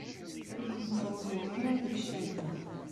Ur la ken-ttruẓuɣ ara deg ccada.